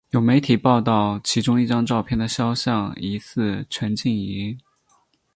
有媒体报道其中一张照片的肖像疑似陈静仪。